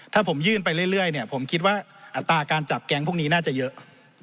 ถ้าผมยื่นไปเรื่อยผมคิดว่าอัตราการจับแก๊งพวกนี้น่าจะเยอะ